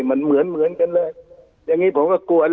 มันเหมือนเหมือนกันเลยยังงี้ผมก็กลัวกลัวเร้าอะ